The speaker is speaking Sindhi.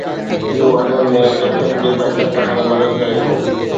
اهو هڏن ۾ ڪلسيم کي بهتر ڪرڻ ۾ مدد ڪري ٿو